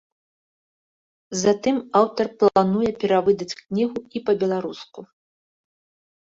Затым аўтар плануе перавыдаць кнігу і па-беларуску.